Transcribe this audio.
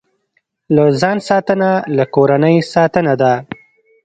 له ځان ساتنه، له کورنۍ ساتنه ده.